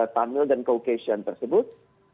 tamil dan caucasian tersebut